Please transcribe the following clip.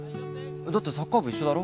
だってサッカー部一緒だろ？